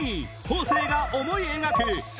方正が思い描く